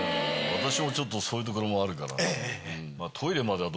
私もちょっとそういうところもあるから。